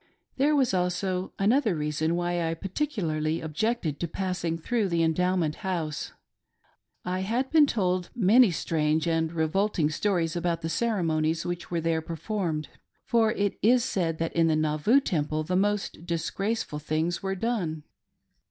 There was also another reason why I particularly objected to passing through the Endowment House. I had been' told many strange and revolting stories about the ceremonies which were there performed, for it is said that in the Nauvoo Temple the most disgraceful things were done.